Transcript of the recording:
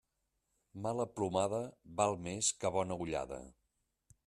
Mala plomada val més que bona ullada.